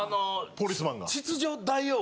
ポリスマンが？